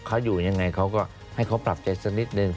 เขาอยู่ยังไงเขาก็ให้เขาปรับใจสักนิดนึง